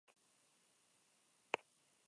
Gainerakoak oso atzean gelditu ziren.